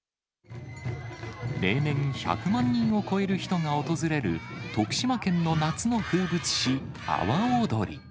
例年、１００万人を超える人が訪れる、徳島県の夏の風物詩、阿波おどり。